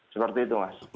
seperti itu mas